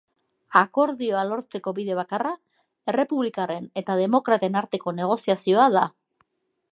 Akordioa lortzeko bide bakarra errepublikarren eta demokraten arteko negoziazioa da.